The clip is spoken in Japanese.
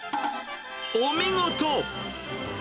お見事！